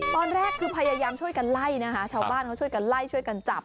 ตอนแรกคือพยายามช่วยกันไล่นะคะชาวบ้านเขาช่วยกันไล่ช่วยกันจับ